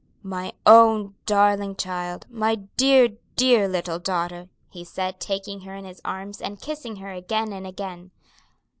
"My own darling child; my dear, dear little daughter," he said, taking her in his arms and kissing her again and again.